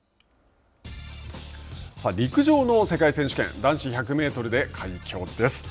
陸上の世界選手権男子１００メートルで快挙です。